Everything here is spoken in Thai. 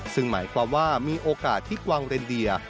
ซึ่งหมายความว่ามีโอกาสที่กวางเรนเดีย